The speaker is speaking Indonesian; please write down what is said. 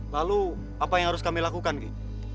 lalu apa yang harus kami lakukan gitu